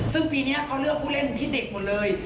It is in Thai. ซึ่งปีนี้เขาเลือกผู้เล่นที่เด็กหมดเลย